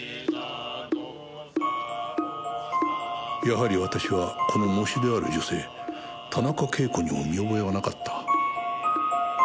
やはり私はこの喪主である女性田中啓子にも見覚えはなかった